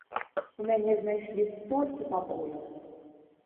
У мяне знайшлі столькі пабояў!